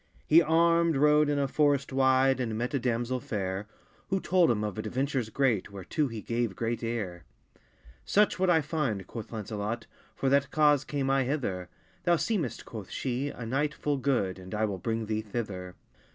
He armed rode in a forrest wide, And met a damsell faire, Who told him of adventures great, Whereto he gave great eare. Such wold I find, quoth Lancelott: For that cause came I hither. Thou seemest, quoth shee, a knight full good, And I will bring thee thither.